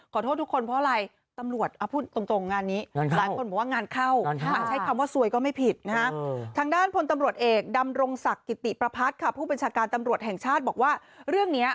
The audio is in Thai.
ขอโทษทุกคนเพราะอะไรตำรวจพูดตรงงานนี้